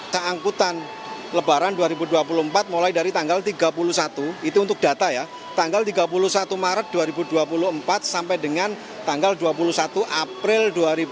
keangkutan lebaran dua ribu dua puluh empat mulai dari tanggal tiga puluh satu itu untuk data ya tanggal tiga puluh satu maret dua ribu dua puluh empat sampai dengan tanggal dua puluh satu april dua ribu dua puluh